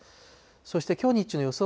そしてきょう日中の予想